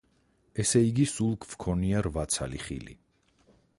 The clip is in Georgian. ესე იგი, სულ გვქონია რვა ცალი ხილი.